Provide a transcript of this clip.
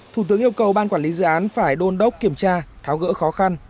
thủ tướng yêu cầu ban quản lý dự án phải đôn đốc kiểm tra tháo gỡ khó khăn